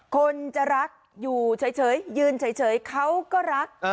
คนจะรักอยู่เฉยยืนเฉยเขาก็รัก